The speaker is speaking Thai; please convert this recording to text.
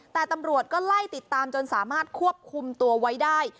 แต่ตำรวจก็ไล่ติดตามจนสามารถควบคุมตัวไว้ได้